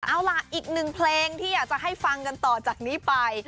เอาล่ะอีกหนึ่งเพลงที่อยากจะให้ฟังกันต่อจากนี้ไป